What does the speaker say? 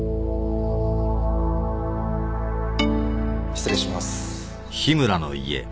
失礼します。